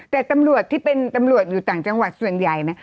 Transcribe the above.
แต่ตำรวจที่เป็นตำรวจอยู่ต่างจังหวัดส่วนใหญ่นะ